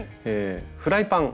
フライパン。